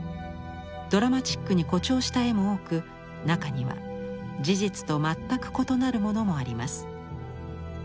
ドラマチックに誇張した絵も多く中には事実と全く異なるものもあります。